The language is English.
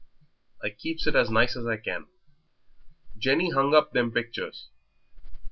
I keeps it as nice as I can. Jenny hung up them pictures.